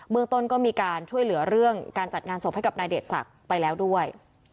เมืองต้นก็มีการช่วยเหลือเรื่องการจัดงานศพให้กับนายเดชศักดิ์ไปแล้วด้วย